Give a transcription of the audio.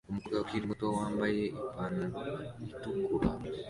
Umukobwa ukiri muto wambaye ipantaro itukura